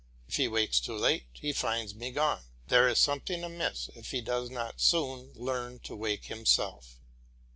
If he wakes too late, he finds me gone. There is something amiss if he does not soon learn to wake himself.